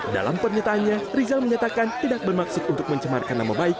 dalam pernyataannya rizal menyatakan tidak bermaksud untuk mencemarkan nama baik